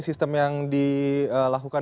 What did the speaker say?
sistem yang dilakukan